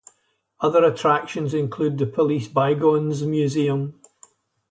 Other attractions include the Police Bygones Museum.